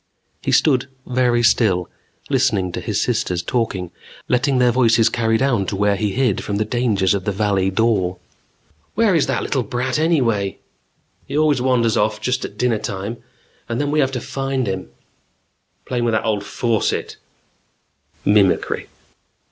He stood very still, listening to his sisters talking, letting their voices carry down to where he hid from the dangers of the Valley Dor. "Where is that little brat, anyway?" "He always wanders off just at dinnertime and then we have to find him " "Playing with that old faucet " Mimicry.